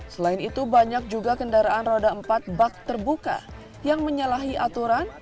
selain itu banyak juga kendaraan roda empat bak terbuka yang menyalahi aturan